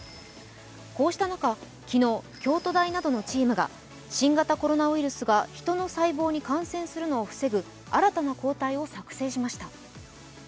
こうした中、昨日、京都大などのチームが新型コロナウイルスが人の細胞に感染するのを防ぐ新たな抗体を作製しました。